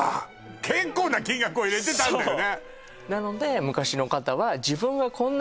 結構な金額を入れてたんだよね